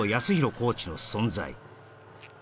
コーチの存在